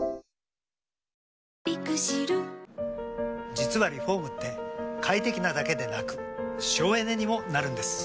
実はリフォームって快適なだけでなく省エネにもなるんです。